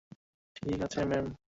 ঠিক আছে, ম্যাম।